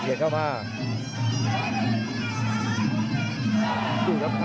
ทุกหน้าก็ตั้งไว้ก่อนจัดเล็ก